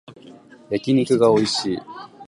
焼き肉がおいしい